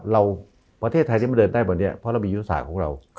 ประเทศไทยที่มันเดินได้วันนี้เพราะเรามียุทธศาสตร์ของเรา